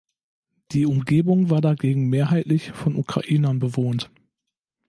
Die Umgebung war dagegen mehrheitlich von Ukrainern bewohnt.